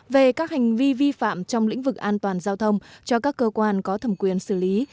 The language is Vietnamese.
về các hành vi vi phạm trong lĩnh vực an toàn giao thông cho các cơ quan có thẩm quyền xử lý